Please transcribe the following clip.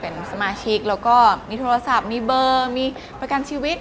เป็นสมาชิกแล้วก็มีโทรศัพท์มีเบอร์มีประกันชีวิต